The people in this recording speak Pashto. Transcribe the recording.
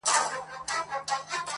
راوړم سکروټې تر دې لویي بنگلي پوري~